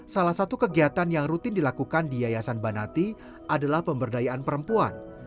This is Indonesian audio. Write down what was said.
salah satu kegiatan yang rutin dilakukan di yayasan banati adalah pemberdayaan perempuan